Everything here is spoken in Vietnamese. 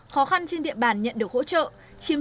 khó khăn trên địa bàn nhận được hỗ trợ